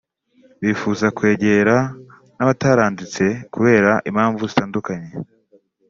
bifuza kwegera n’abataranditse kubera impamvu zitandukanye